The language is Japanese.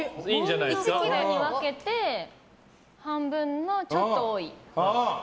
１ｋｇに分けて半分のちょっと多い。